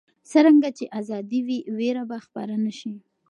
څرنګه چې ازادي وي، ویره به خپره نه شي.